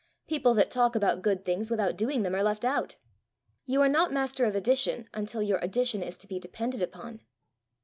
People that talk about good things without doing them are left out. You are not master of addition until your addition is to be depended upon."